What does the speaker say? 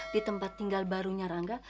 di tempat tinggal barunya rangga